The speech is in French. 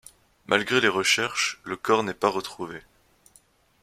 Malgré les recherches, le corps n'est pas retrouvé.